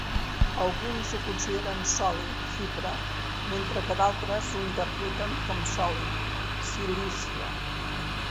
Alguns ho consideren Soli, Xipre, mentre que d'altres ho interpreten com Soli, Cilícia.